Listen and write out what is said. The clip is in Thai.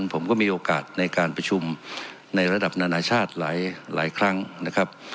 ผมก็มีโอกาสในการประชุมในระดับนานาชาติหลายครั้งนะครับ